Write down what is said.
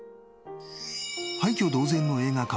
廃虚同然の映画館を